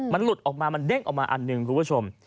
มันหลุดออกมามันเด้งออกมาอันหนึ่งคุณผู้ชม